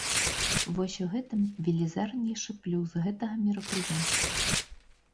Вось у гэтым велізарнейшы плюс гэтага мерапрыемства.